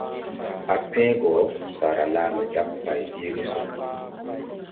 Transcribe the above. À pẽẽ go, saara laa mbɛ jag pay jeege so.